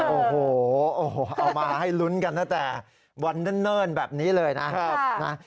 โอ้โหเอามาให้ลุ้นกันตั้งแต่วันเนิ่นแบบนี้เลยนะครับ